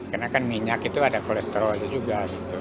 karena kan minyak itu ada kolesterolnya juga